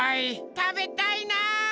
たべたいな！